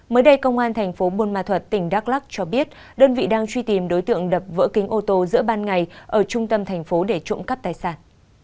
mới đây công an thành phố buôn ma thuật tỉnh đắk lắc cho biết đơn vị đang truy tìm đối tượng đập vỡ kính ô tô giữa ban ngày ở trung tâm thành phố để trộm cắp tài sản